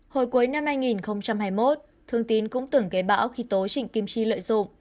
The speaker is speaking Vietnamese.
hồi cuối năm hai nghìn hai mươi một thương tín cũng tưởng kế bão khi tố trịnh kim chi lợi dụng